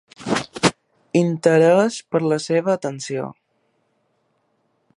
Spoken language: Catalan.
Interès per la seva atenció.